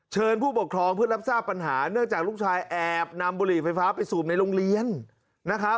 ผู้ปกครองเพื่อรับทราบปัญหาเนื่องจากลูกชายแอบนำบุหรี่ไฟฟ้าไปสูบในโรงเรียนนะครับ